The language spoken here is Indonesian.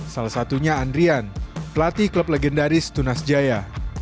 salah satunya andrian pelatih klub legendaris tunas jaya